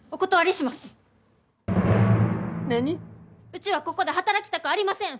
うちはここで働きたくありません！